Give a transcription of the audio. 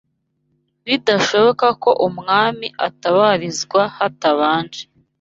bidashoka ko umwami atabarizwa hatabanje